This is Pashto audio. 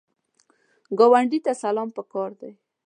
ګاونډي ته سلام پکار دی